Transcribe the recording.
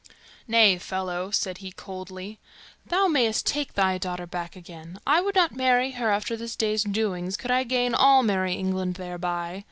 "Nay, fellow," said he coldly, "thou mayst take thy daughter back again; I would not marry her after this day's doings could I gain all merry England thereby.